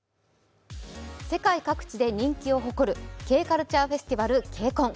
世界各地で人気を誇るＫカルチャーフェスティバルＫＣＯＮ。